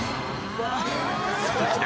［鈴木だ